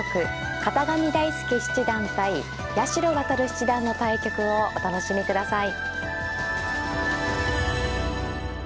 片上大輔七段対八代弥七段の対局をお楽しみください。